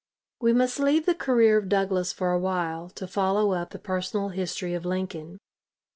We must leave the career of Douglas for a while, to follow up the personal history of Lincoln.